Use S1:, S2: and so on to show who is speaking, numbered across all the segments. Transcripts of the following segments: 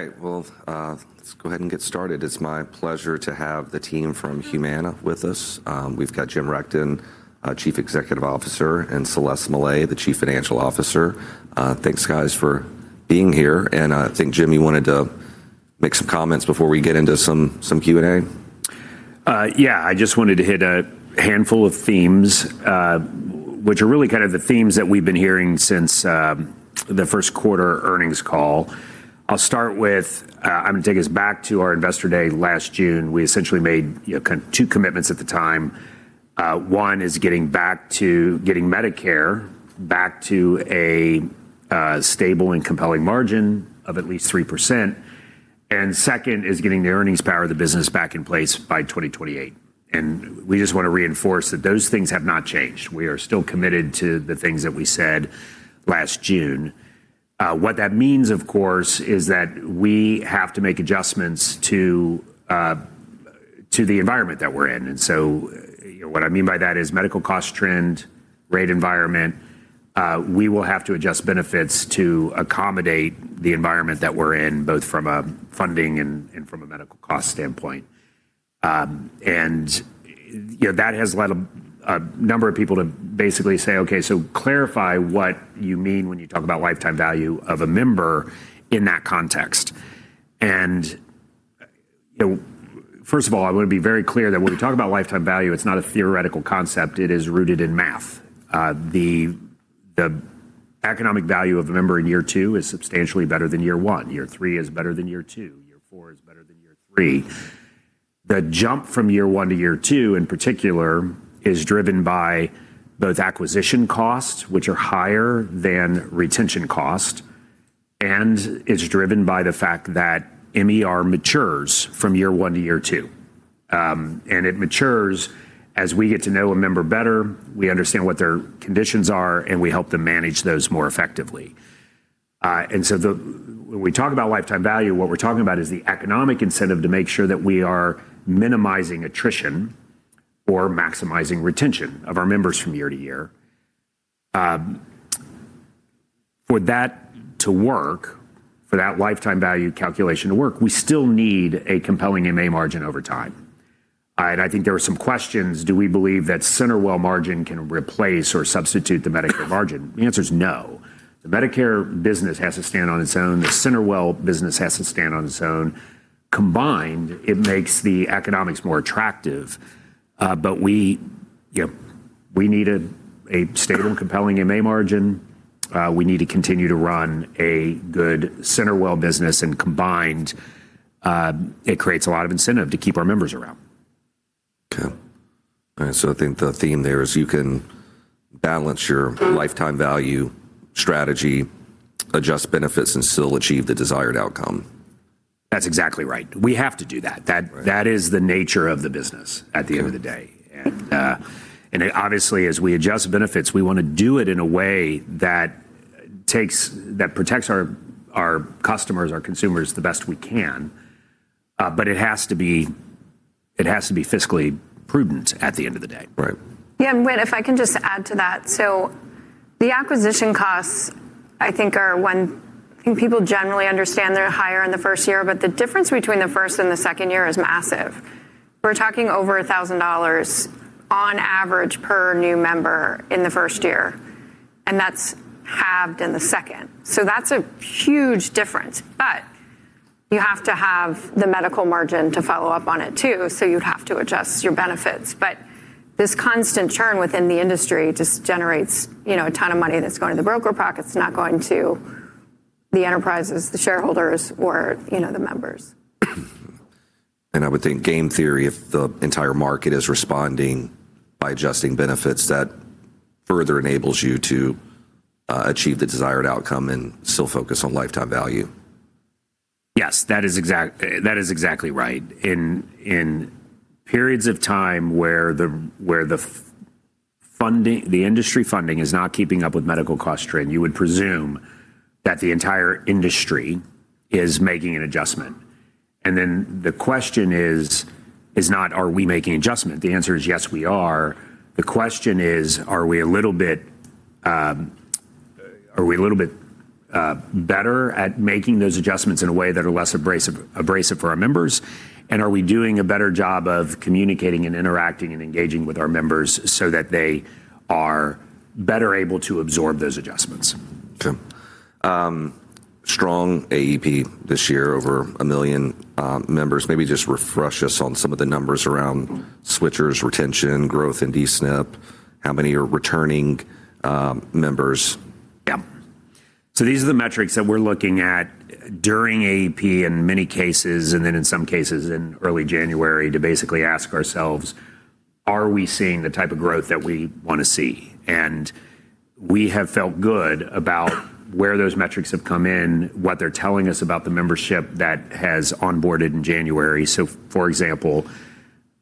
S1: All right, well, let's go ahead and get started. It's my pleasure to have the team from Humana with us. We've got Jim Rechtin, our Chief Executive Officer, and Celeste Mellet, the Chief Financial Officer. Thanks guys for being here. I think Jim, you wanted to make some comments before we get into some Q&A.
S2: Yeah. I just wanted to hit a handful of themes, which are really kind of the themes that we've been hearing since the first quarter earnings call. I'm gonna take us back to our Investor Day last June. We essentially made, you know, two commitments at the time. One is getting Medicare back to a stable and compelling margin of at least 3%. Second is getting the earnings power of the business back in place by 2028. We just wanna reinforce that those things have not changed. We are still committed to the things that we said last June. What that means, of course, is that we have to make adjustments to the environment that we're in. You know what I mean by that is medical cost trend, rate environment. We will have to adjust benefits to accommodate the environment that we're in, both from a funding and from a medical cost standpoint. You know, that has led a number of people to basically say, "Okay, so clarify what you mean when you talk about lifetime value of a member in that context." You know, first of all, I wanna be very clear that when we talk about lifetime value, it's not a theoretical concept, it is rooted in math. The economic value of a member in year two is substantially better than year one. Year three is better than year two. Year four is better than year three. The jump from year one to year two in particular is driven by both acquisition costs, which are higher than retention cost, and it's driven by the fact that MER matures from year one to year two. It matures as we get to know a member better, we understand what their conditions are, and we help them manage those more effectively. When we talk about lifetime value, what we're talking about is the economic incentive to make sure that we are minimizing attrition or maximizing retention of our members from year to year. For that to work, for that lifetime value calculation to work, we still need a compelling MA margin over time. All right. I think there are some questions, do we believe that CenterWell margin can replace or substitute the Medicare margin? The answer is no. The Medicare business has to stand on its own. The CenterWell business has to stand on its own. Combined, it makes the economics more attractive. We, you know, we need a stable and compelling MA margin. We need to continue to run a good CenterWell business, and combined, it creates a lot of incentive to keep our members around.
S1: Okay. All right. I think the theme there is you can balance your lifetime value strategy, adjust benefits, and still achieve the desired outcome.
S2: That's exactly right. We have to do that.
S1: Right.
S2: That is the nature of the business at the end of the day.
S1: Okay.
S2: Obviously as we adjust benefits, we wanna do it in a way that protects our customers, our consumers the best we can. It has to be fiscally prudent at the end of the day.
S1: Right.
S3: Yeah. Whit, if I can just add to that. The acquisition costs I think are. I think people generally understand they're higher in the first year, but the difference between the first and the second year is massive. We're talking over $1,000 on average per new member in the first year, and that's halved in the second. That's a huge difference. You have to have the medical margin to follow up on it too, so you'd have to adjust your benefits. This constant churn within the industry just generates, you know, a ton of money that's going to the broker pockets, not going to the enterprises, the shareholders, or, you know, the members.
S1: I would think game theory, if the entire market is responding by adjusting benefits, that further enables you to achieve the desired outcome, and still focus on lifetime value.
S2: Yes. That is exactly right. In periods of time where the funding, the industry funding is not keeping up with medical cost trend, you would presume that the entire industry is making an adjustment. The question is not, are we making an adjustment? The answer is yes, we are. The question is, are we a little bit better at making those adjustments in a way that are less abrasive for our members? Are we doing a better job of communicating and interacting and engaging with our members so that they are better able to absorb those adjustments?
S1: Okay. Strong AEP this year, over 1 million members. Maybe just refresh us on some of the numbers around switchers, retention, growth in D-SNP, how many are returning, members?
S2: Yeah. These are the metrics that we're looking at during AEP in many cases, and then in some cases in early January to basically ask ourselves, are we seeing the type of growth that we wanna see? We have felt good about where those metrics have come in, what they're telling us about the membership that has onboarded in January. For example,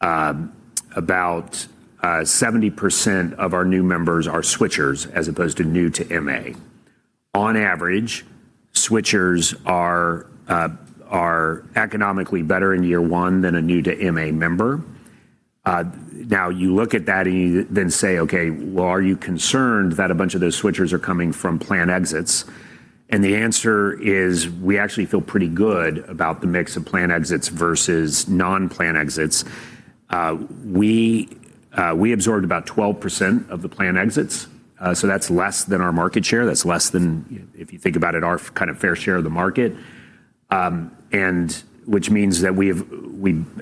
S2: about 70% of our new members are switchers as opposed to new to MA. On average, switchers are economically better in year one than a new to MA member. Now you look at that and you then say, okay, well, are you concerned that a bunch of those switchers are coming from plan exits? The answer is we actually feel pretty good about the mix of plan exits versus non-plan exits. We absorbed about 12% of the plan exits, so that's less than our market share. That's less than, if you think about it, our kind of fair share of the market. Which means that we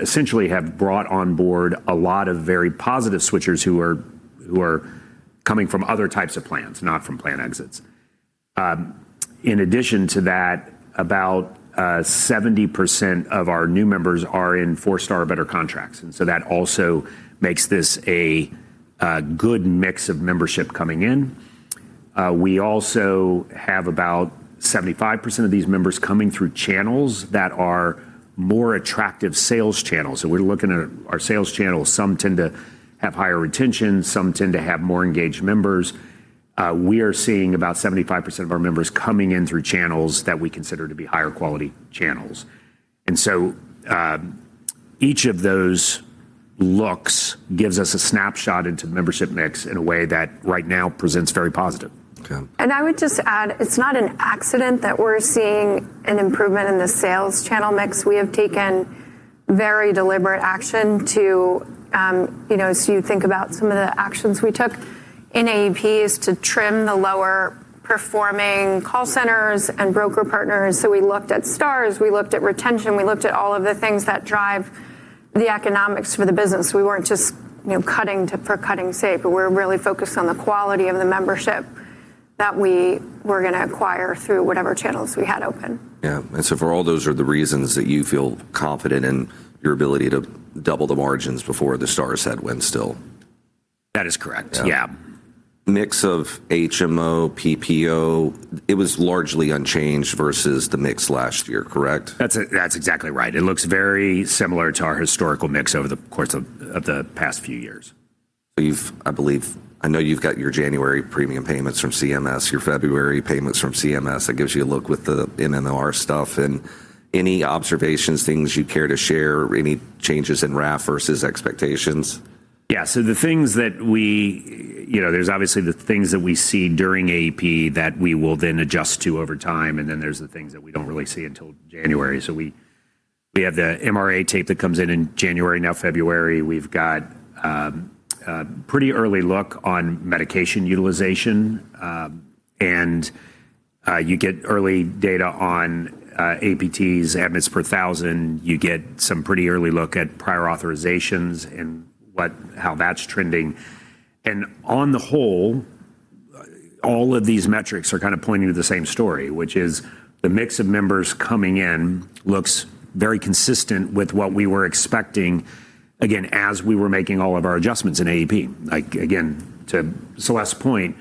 S2: essentially have brought on board a lot of very positive switchers who are coming from other types of plans, not from plan exits. In addition to that, about 70% of our new members are in four-star or better contracts, and so that also makes this a good mix of membership coming in. We also have about 75% of these members coming through channels that are more attractive sales channels. We're looking at our sales channels. Some tend to have higher retention, some tend to have more engaged members. We are seeing about 75% of our members coming in through channels that we consider to be higher quality channels. Each of those looks gives us a snapshot into the membership mix in a way that right now presents very positive.
S1: Okay.
S3: I would just add, it's not an accident that we're seeing an improvement in the sales channel mix. We have taken very deliberate action to, you know, as you think about some of the actions we took in AEP is to trim the lower performing call centers and broker partners. We looked at stars, we looked at retention, we looked at all of the things that drive the economics for the business. We weren't just, you know, cutting for cutting's sake, but we're really focused on the quality of the membership that we were gonna acquire through whatever channels we had open.
S1: Yeah. For all those are the reasons that you feel confident in your ability to double the margins before the Stars headwind still?
S2: That is correct.
S1: Yeah.
S2: Yeah.
S1: Mix of HMO, PPO, it was largely unchanged versus the mix last year, correct?
S2: That's exactly right. It looks very similar to our historical mix over the course of the past few years.
S1: I believe, I know you've got your January premium payments from CMS, your February payments from CMS. That gives you a look with the MOR stuff, and any observations, things you'd care to share, any changes in RAF versus expectations?
S2: Yeah. You know, there's obviously the things that we see during AEP that we will then adjust to over time, and then there's the things that we don't really see until January. We have the MRA tape that comes in in January. Now February, we've got a pretty early look on medication utilization, and you get early data on APTs, admits per thousand. You get some pretty early look at prior authorizations and how that's trending. On the whole, all of these metrics are kind of pointing to the same story, which is the mix of members coming in looks very consistent with what we were expecting, again, as we were making all of our adjustments in AEP. Like, again, to Celeste's point,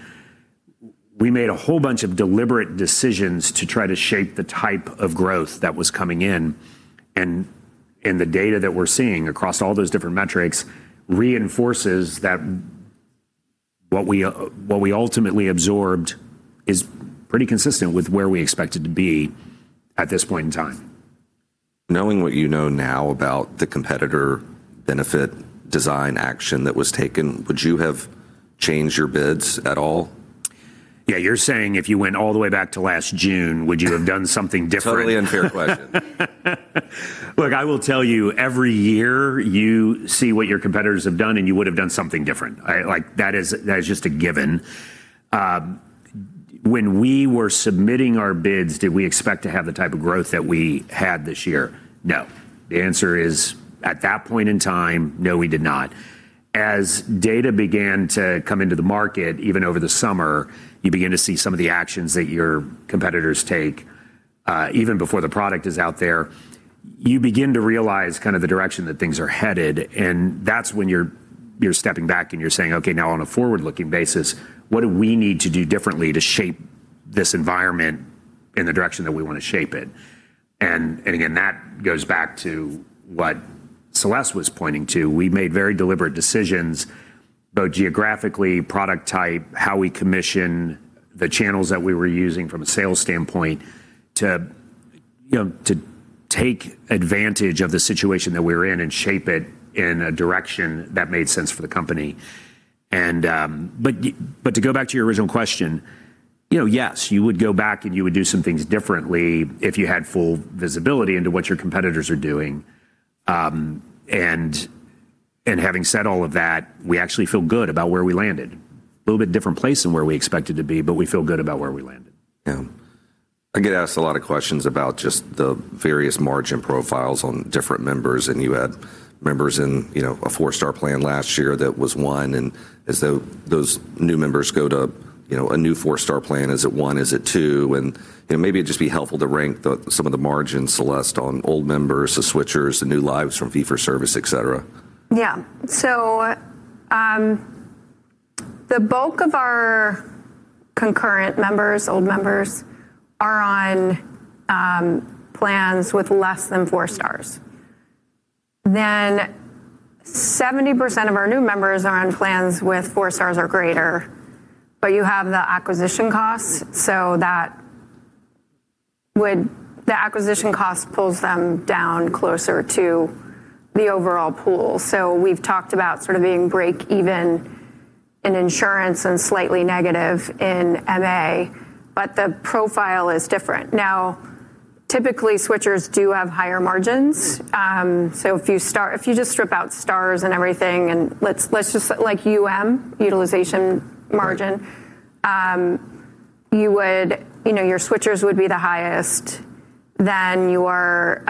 S2: we made a whole bunch of deliberate decisions to try to shape the type of growth that was coming in, and the data that we're seeing across all those different metrics reinforces that what we ultimately absorbed is pretty consistent with where we expect it to be at this point in time.
S1: Knowing what you know now about the competitor benefit design action that was taken, would you have changed your bids at all?
S2: Yeah, you're saying if you went all the way back to last June, would you have done something different?
S1: Totally unfair question.
S2: Look, I will tell you, every year you see what your competitors have done, and you would have done something different. Like that is just a given. When we were submitting our bids, did we expect to have the type of growth that we had this year? No. The answer is, at that point in time, no, we did not. As data began to come into the market, even over the summer, you begin to see some of the actions that your competitors take, even before the product is out there. You begin to realize kind of the direction that things are headed, and that's when you're stepping back and you're saying, "Okay, now on a forward-looking basis, what do we need to do differently to shape this environment in the direction that we want to shape it?" Again, that goes back to what Celeste was pointing to. We made very deliberate decisions, both geographically, product type, how we commission the channels that we were using from a sales standpoint to, you know, to take advantage of the situation that we're in and shape it in a direction that made sense for the company. To go back to your original question, you know, yes, you would go back and you would do some things differently if you had full visibility into what your competitors are doing. Having said all of that, we actually feel good about where we landed. A little bit different place than where we expected to be, but we feel good about where we landed.
S1: Yeah. I get asked a lot of questions about just the various margin profiles on different members, and you had members in, you know, a 4-star plan last year that was 1%, and as though those new members go to, you know, a new 4-star plan, is it 1%? Is it 2%? You know, maybe it'd just be helpful to rank some of the margins, Celeste, on old members, the switchers, the new lives from fee for service, et cetera.
S3: Yeah. The bulk of our concurrent members, old members, are on plans with less than four stars. 70% of our new members are on plans with four stars or greater, but you have the acquisition costs. Would the acquisition cost pulls them down closer to the overall pool? We've talked about sort of being break even in insurance and slightly negative in MA, but the profile is different. Now, typically, switchers do have higher margins. If you just strip out stars and everything, and let's just like UM, utilization margin, you would, you know, your switchers would be the highest then your,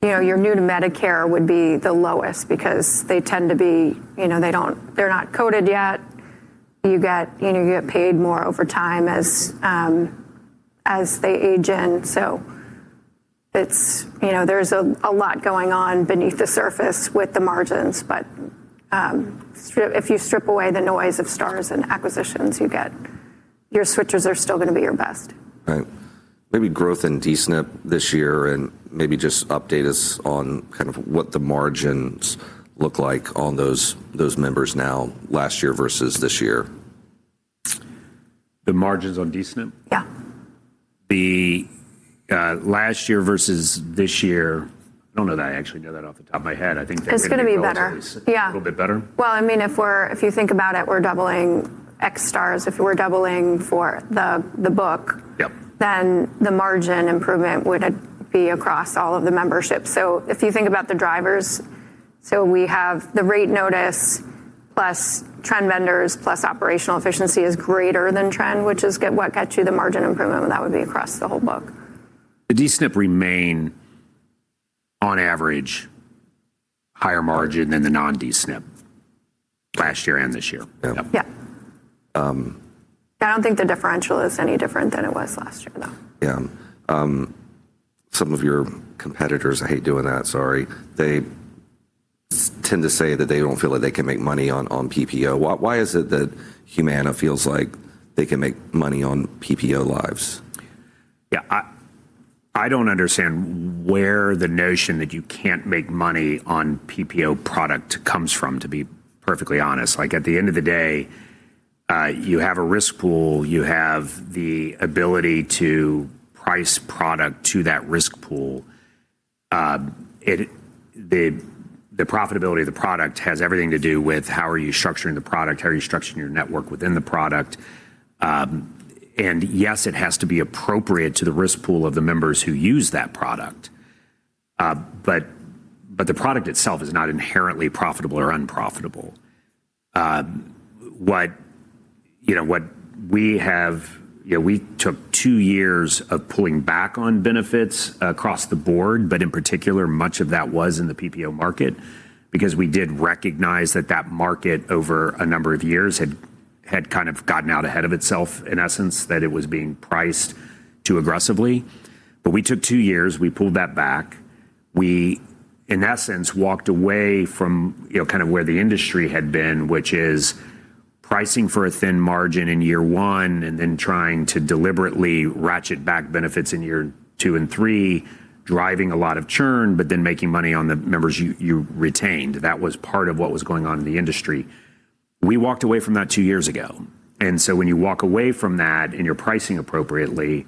S3: you know, your new to Medicare would be the lowest because they tend to be, you know, they're not coded yet. You know, you get paid more over time as they age in. It's, you know, there's a lot going on beneath the surface with the margins. If you strip away the noise of stars and acquisitions, you get, your switchers are still gonna be your best.
S1: Right. Maybe growth in D-SNP this year, and maybe just update us on kind of what the margins look like on those members now last year versus this year.
S2: The margins on D-SNP?
S3: Yeah.
S2: The last year versus this year, I don't know that I actually know that off the top of my head. I think they're gonna be.
S3: It's gonna be better. Yeah.
S2: A little bit better.
S3: Well, I mean, if you think about it, we're doubling X stars. If we're doubling for the book-
S2: Yep
S3: The margin improvement would be across all of the membership. If you think about the drivers, we have the rate notice plus trend benders, plus operational efficiency is greater than trend, which is what gets you the margin improvement, and that would be across the whole book.
S2: The D-SNP remain on average higher margin than the non D-SNP last year and this year.
S1: Yeah.
S3: Yeah. I don't think the differential is any different than it was last year, though.
S1: Yeah. Some of your competitors, I hate doing that. Sorry. They tend to say that they don't feel like they can make money on PPO. Why is it that Humana feels like they can make money on PPO lives?
S2: Yeah. I don't understand where the notion that you can't make money on PPO product comes from, to be perfectly honest. Like, at the end of the day, you have a risk pool, you have the ability to price product to that risk pool. The profitability of the product has everything to do with how are you structuring the product, how are you structuring your network within the product. Yes, it has to be appropriate to the risk pool of the members who use that product. The product itself is not inherently profitable or unprofitable. You know, what we have, you know, we took two years of pulling back on benefits across the board, but in particular, much of that was in the PPO market because we did recognize that that market over a number of years had kind of gotten out ahead of itself, in essence, that it was being priced too aggressively. We took two years, we pulled that back. We in essence walked away from, you know, kind of where the industry had been, which is pricing for a thin margin in year one, and then trying to deliberately ratchet back benefits in year two and three, driving a lot of churn, but then making money on the members you retained. That was part of what was going on in the industry. We walked away from that two years ago. When you walk away from that and you're pricing appropriately,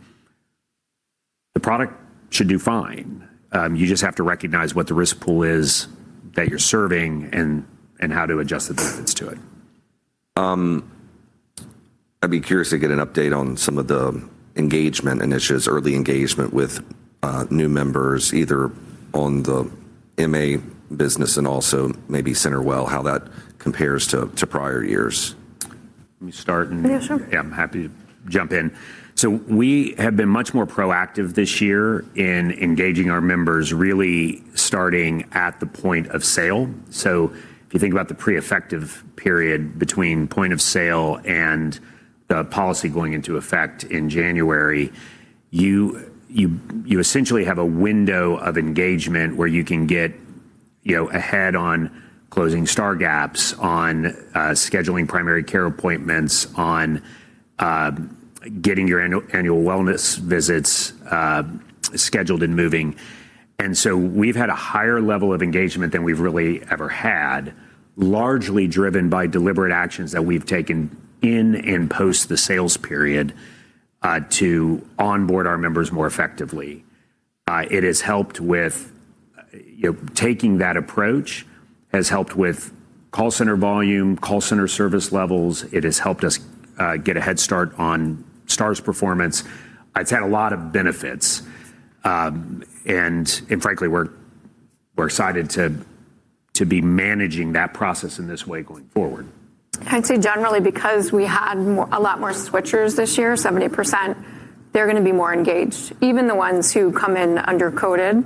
S2: the product should do fine. You just have to recognize what the risk pool is that you're serving and how to adjust the benefits to it.
S1: I'd be curious to get an update on some of the engagement initiatives, early engagement with new members, either on the MA business and also maybe CenterWell, how that compares to prior years.
S2: Let me start.
S3: Yeah, sure.
S2: I'm happy to jump in. We have been much more proactive this year in engaging our members, really starting at the point of sale. If you think about the pre-effective period between point of sale and the policy going into effect in January, you essentially have a window of engagement where you can get, you know, ahead on closing Star gaps, on, scheduling primary care appointments, on, getting your Annual Wellness Visits, scheduled and moving. We've had a higher level of engagement than we've really ever had, largely driven by deliberate actions that we've taken in and post the sales period, to onboard our members more effectively. It has helped with, you know, taking that approach, has helped with call center volume, call center service levels. It has helped us get a head start on Stars performance. It's had a lot of benefits. Frankly, we're excited to be managing that process in this way going forward.
S3: I'd say generally because we had a lot more switchers this year, 70%, they're gonna be more engaged. Even the ones who come in under coded,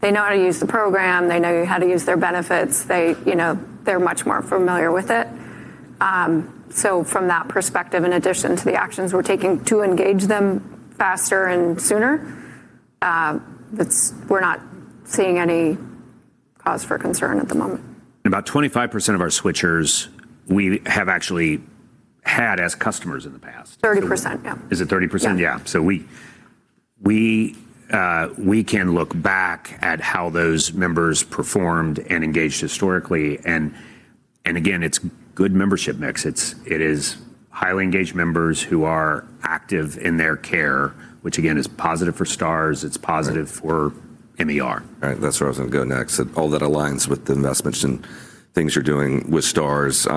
S3: they know how to use the program, they know how to use their benefits. They, you know, they're much more familiar with it. From that perspective, in addition to the actions we're taking to engage them faster and sooner, we're not seeing any cause for concern at the moment.
S2: About 25% of our switchers we have actually had as customers in the past.
S3: 30%, yeah.
S2: Is it 30%?
S3: Yeah.
S2: Yeah. We can look back at how those members performed and engaged historically and again, it's good membership mix. It is highly engaged members who are active in their care, which again is positive for Stars. It's positive for MER.
S1: Right. That's where I was gonna go next. All that aligns with the investments and things you're doing with Stars.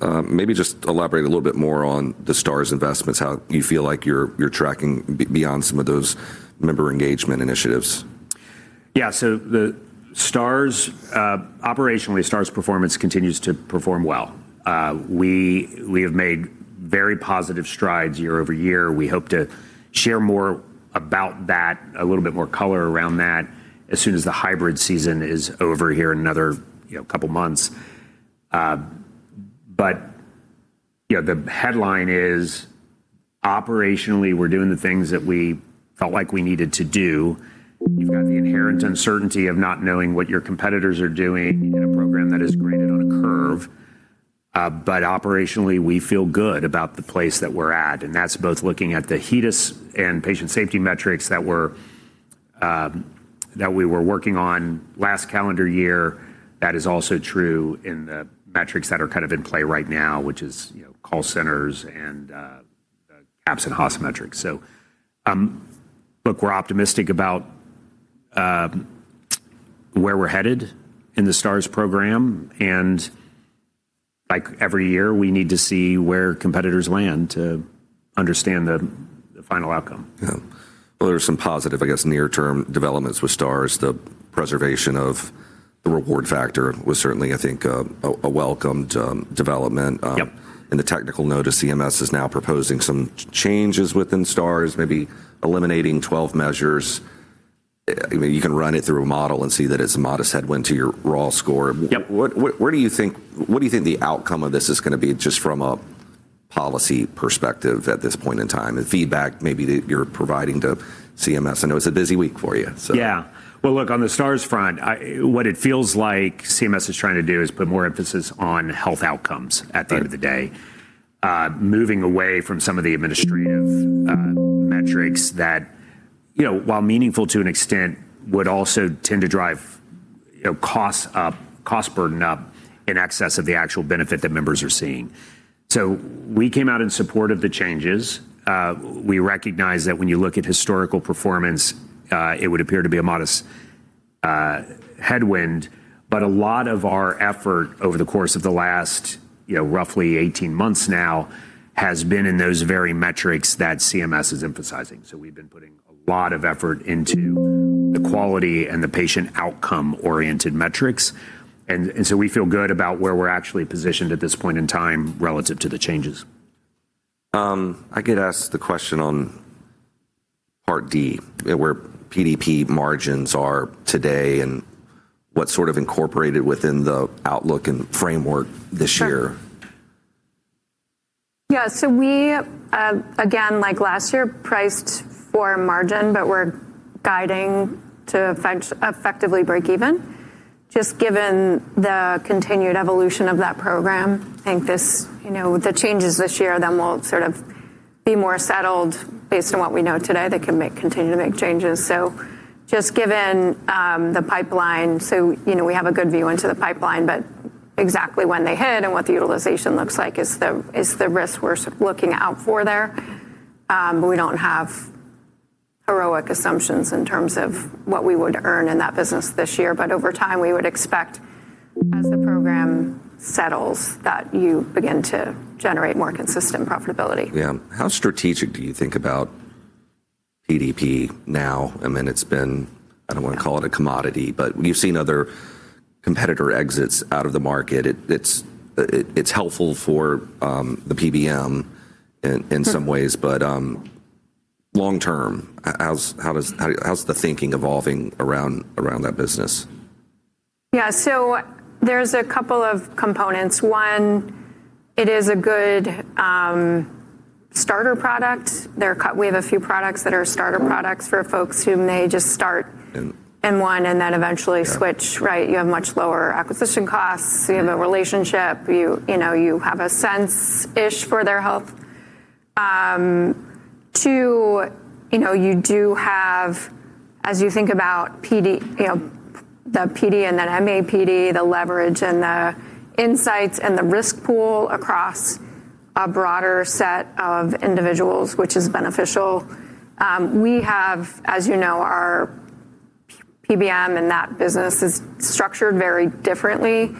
S1: Maybe just elaborate a little bit more on the Stars investments, how you feel like you're tracking beyond some of those member engagement initiatives.
S2: Yeah. The Star Ratings, operationally, the Star Ratings' performance continues to perform well. We have made very positive strides year-over-year. We hope to share more about that, a little bit more color around that as soon as the hybrid season is over here in another couple months. Yeah, the headline is operationally, we're doing the things that we felt like we needed to do. You've got the inherent uncertainty of not knowing what your competitors are doing in a program that is graded on a curve. Operationally, we feel good about the place that we're at, and that's both looking at the HEDIS and patient safety metrics that we were working on last calendar year. That is also true in the metrics that are kind of in play right now, which is, you know, call centers and [CAHPS] and HOS metrics. Look, we're optimistic about where we're headed in the Star Ratings, and like every year, we need to see where competitors land to understand the final outcome.
S1: Yeah. Well, there's some positive, I guess, near term developments with Stars. The preservation of the reward factor was certainly, I think, a welcomed development.
S2: Yep.
S1: In the technical notice, CMS is now proposing some changes within Stars, maybe eliminating 12 measures. You can run it through a model and see that it's a modest headwind to your raw score. What do you think the outcome of this is gonna be just from a policy perspective at this point in time, and feedback maybe that you're providing to CMS? I know it's a busy week for you, so.
S2: Yeah. Well, look, on the Stars front, what it feels like CMS is trying to do is put more emphasis on health outcomes at the end of the day, moving away from some of the administrative metrics that, you know, while meaningful to an extent, would also tend to drive, you know, costs up, cost burden up in excess of the actual benefit that members are seeing. We came out in support of the changes. We recognize that when you look at historical performance, it would appear to be a modest headwind, but a lot of our effort over the course of the last, roughly 18 months now has been in those very metrics that CMS is emphasizing. We've been putting a lot of effort into the quality, and the patient outcome-oriented metrics. We feel good about where we're actually positioned at this point in time relative to the changes.
S1: I could ask the question on Part D, where PDP margins are today and what's sort of incorporated within the outlook and framework this year?
S3: Yeah. We again, like last year, priced for margin, but we're guiding to effectively break even, just given the continued evolution of that program. I think this, you know, the changes this year then will sort of be more settled based on what we know today. They can continue to make changes. Just given the pipeline, you know, we have a good view into the pipeline, but exactly when they hit and what the utilization looks like is the risk we're sort of looking out for there. We don't have heroic assumptions in terms of what we would earn in that business this year. Over time, we would expect as the program settles, that you begin to generate more consistent profitability.
S1: Yeah. How strategic do you think about PDP now? I mean, I don't wanna call it a commodity, but you've seen other competitor exits out of the market. It's helpful for the PBM in some ways, but long term, how's the thinking evolving around that business?
S3: Yeah. There's a couple of components. One, it is a good starter product. We have a few products that are starter products for folks who may just start.
S1: In
S3: In one, and then eventually switch. Right? You have much lower acquisition costs, you have a relationship, you know, you have a sense-ish for their health. Too, you know, you do have, as you think about PD, you know, the PD and then MAPD, the leverage and the insights and the risk pool across a broader set of individuals, which is beneficial. We have, as you know, our PBM and that business is structured very differently.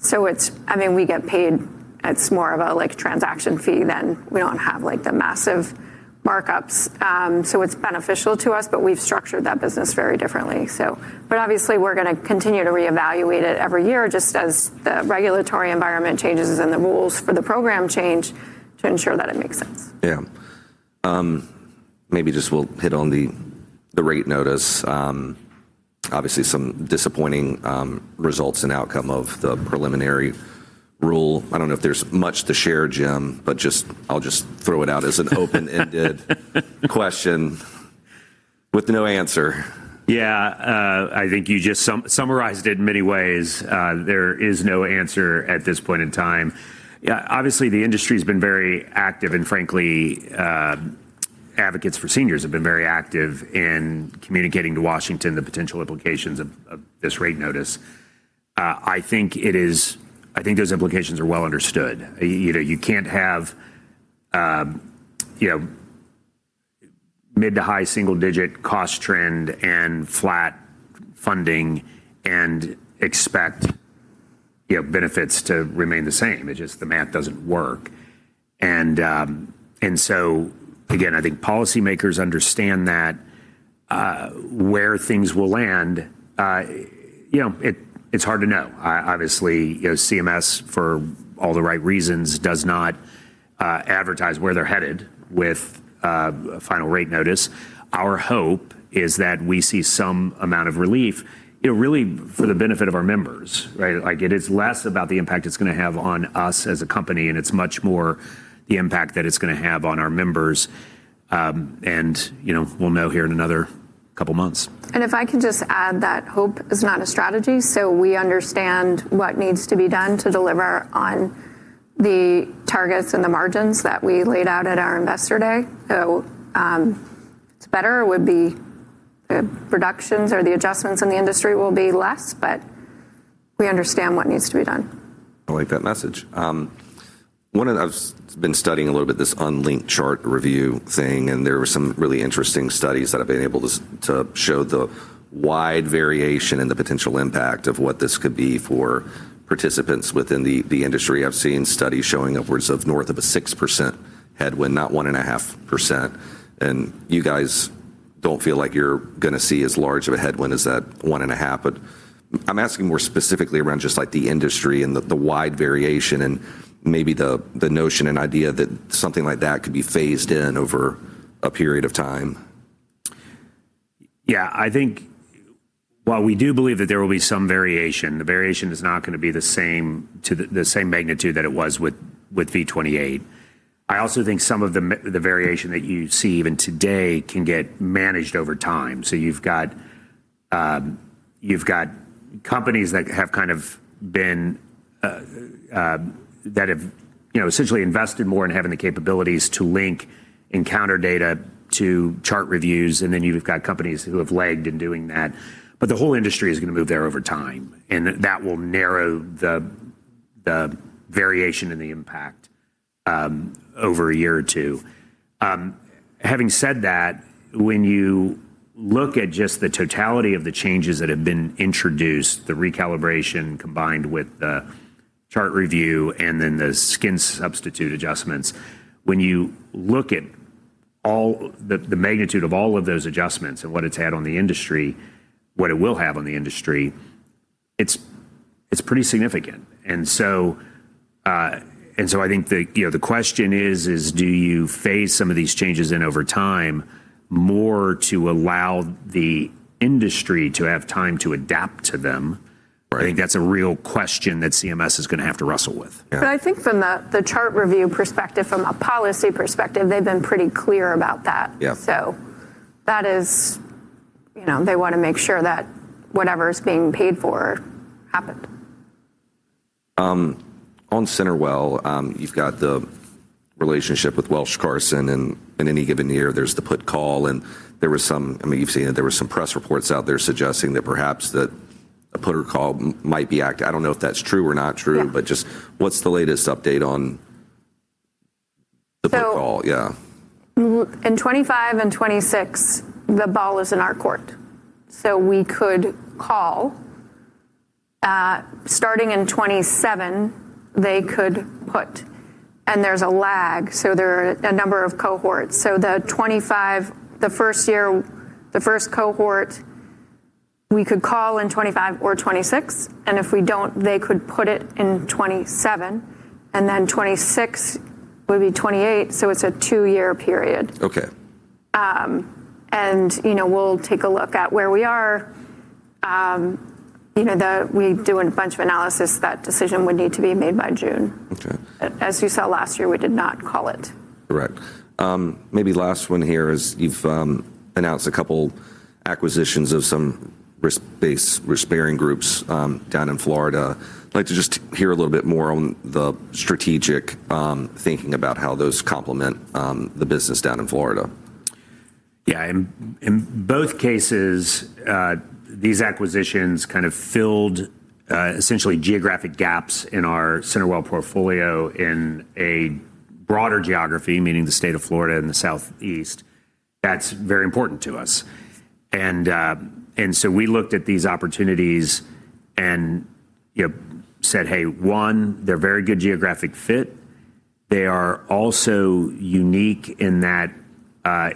S3: It's I mean, we get paid, it's more of a like transaction fee than we don't have like the massive markups. It's beneficial to us, but we've structured that business very differently. Obviously, we're gonna continue to reevaluate it every year, just as the regulatory environment changes and the rules for the program change to ensure that it makes sense.
S1: Yeah. Maybe just we'll hit on the rate notice. Obviously some disappointing results and outcome of the preliminary rule. I don't know if there's much to share, Jim, but I'll just throw it out as an open-ended question with no answer.
S2: Yeah. I think you just summarized it in many ways. There is no answer at this point in time. Yeah. Obviously, the industry's been very active and frankly, advocates for seniors have been very active in communicating to Washington the potential implications of this rate notice. I think those implications are well understood. You can't have mid- to high-single-digit cost trend and flat funding and expect benefits to remain the same. It's just the math doesn't work. Again, I think policymakers understand that, where things will land, you know, it's hard to know. Obviously, now, CMS, for all the right reasons, does not advertise where they're headed with a final rate notice. Our hope is that we see some amount of relief, really for the benefit of our members, right? Like, it is less about the impact it's gonna have on us as a company, and it's much more the impact that it's gonna have on our members. You know, we'll know here in another couple months.
S3: If I could just add that hope is not a strategy, so we understand what needs to be done to deliver on the targets and the margins that we laid out at our Investor Day. What's better would be the reductions or the adjustments in the industry will be less, but we understand what needs to be done.
S1: I like that message. One of the I've been studying a little bit this unlinked chart review thing, and there were some really interesting studies that have been able to show the wide variation and the potential impact of what this could be for participants within the industry. I've seen studies showing upwards of north of a 6% headwind, not 1.5%, and you guys don't feel like you're gonna see as large of a headwind as that 1.5%. I'm asking more specifically around just like the industry and the wide variation and maybe the notion and idea that something like that could be phased in over a period of time.
S2: Yeah, I think while we do believe that there will be some variation, the variation is not gonna be the same magnitude that it was with V28. I also think some of the variation that you see even today can get managed over time. You've got companies that have kind of been that have, you know, essentially invested more in having the capabilities to link encounter data to chart reviews, and then you've got companies who have lagged in doing that. The whole industry is gonna move there over time, and that will narrow the variation and the impact over a year or two. Having said that, when you look at just the totality of the changes that have been introduced, the recalibration combined with the chart review and then the skin substitute adjustments, when you look at all the magnitude of all of those adjustments and what it's had on the industry, what it will have on the industry, it's pretty significant. I think you know the question is, do you phase some of these changes in over time more to allow the industry to have time to adapt to them?
S1: Right.
S2: I think that's a real question that CMS is gonna have to wrestle with.
S1: Yeah.
S3: I think from the chart review perspective, from a policy perspective, they've been pretty clear about that.
S1: Yeah.
S3: That is, you know, they wanna make sure that whatever is being paid for happened.
S1: On CenterWell, you've got the relationship with Welsh, Carson, Anderson & Stowe, and in any given year there's the put call, and there was some, I mean, you've seen it, there were some press reports out there suggesting that perhaps that a put or call might be acted. I don't know if that's true or not true.
S3: Yeah.
S1: Just what's the latest update on the put call? Yeah.
S3: In 2025 and 2026, the ball is in our court, so we could call. Starting in 2027, they could put, and there's a lag, so there are a number of cohorts. The 2025, the first year, the first cohort we could call in 2025 or 2026, and if we don't, they could put it in 2027, and then 2026 would be 2028, so it's a two-year period.
S1: Okay.
S3: You know, we'll take a look at where we are. You know, we do a bunch of analysis. That decision would need to be made by June.
S1: Okay.
S3: As you saw last year, we did not call it.
S1: Correct. Maybe last one here is you've announced a couple acquisitions of some risk-based, risk-bearing groups down in Florida. I'd like to just hear a little bit more on the strategic thinking about how those complement the business down in Florida.
S2: Yeah, in both cases these acquisitions kind of filled essentially geographic gaps in our CenterWell portfolio in a broader geography, meaning the state of Florida and the Southeast. That's very important to us. We looked at these opportunities and, you know, said, "Hey, one, they're very good geographic fit." They are also unique in that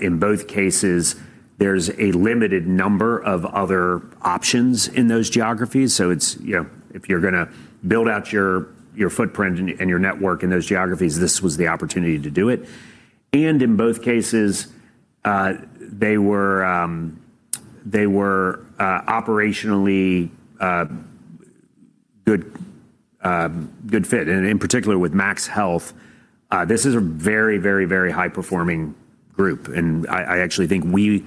S2: in both cases there's a limited number of other options in those geographies. It's, you know, if you're gonna build out your footprint and your network in those geographies, this was the opportunity to do it. In both cases they were operationally good fit. In particular with MaxHealthe this is a very high performing group. I actually think we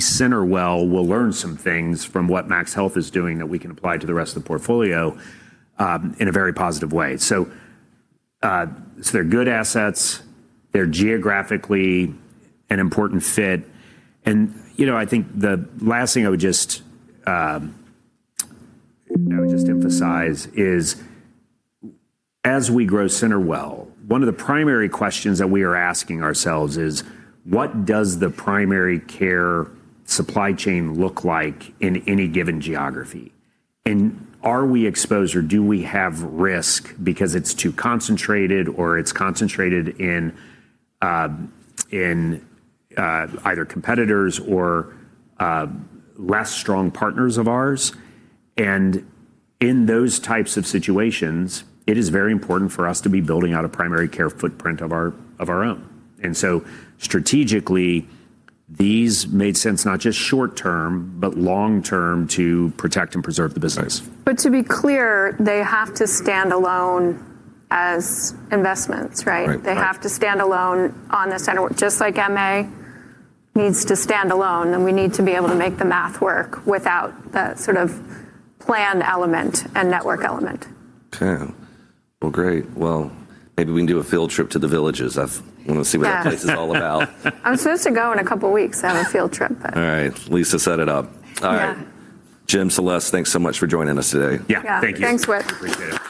S2: CenterWell will learn some things from what MaxHealth is doing that we can apply to the rest of the portfolio, in a very positive way. They're good assets. They're geographically an important fit. You know, I think the last thing I would just emphasize is as we grow CenterWell, one of the primary questions that we are asking ourselves is. What does the primary care supply chain look like in any given geography? Are we exposed, or do we have risk because it's too concentrated, or it's concentrated in either competitors or less strong partners of ours? In those types of situations, it is very important for us to be building out a primary care footprint of our own. Strategically, these made sense not just short term, but long term to protect and preserve the business.
S3: To be clear, they have to stand alone as investments, right?
S1: Right.
S3: They have to stand alone on the CenterWell, just like MA needs to stand alone, and we need to be able to make the math work without the sort of plan element and network element.
S1: Okay. Well, great. Well, maybe we can do a field trip to the villages. I wanna see.
S3: Yeah.
S1: What that place is all about.
S3: I'm supposed to go in a couple weeks on a field trip.
S1: All right. Lisa, set it up.
S3: Yeah.
S1: All right. Jim, Celeste, thanks so much for joining us today.
S2: Yeah. Thank you.
S3: Yeah. Thanks, Whit.
S2: Appreciate it.